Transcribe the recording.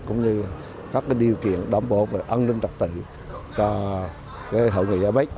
cũng như các cái điều kiện đảm bộ về an ninh trật tự cho cái hậu nghị apec